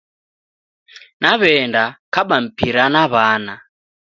Naw'enda kaba mpira na w'ana.